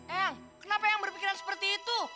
eang kenapa eang berpikiran seperti itu